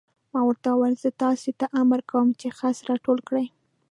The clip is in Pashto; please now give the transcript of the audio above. ما ورته وویل: زه تاسې ته امر کوم چې خس را ټول کړئ.